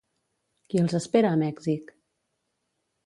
Qui els espera a Mèxic?